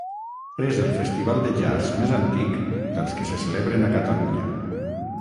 És el festival de jazz més antic dels que se celebren a Catalunya.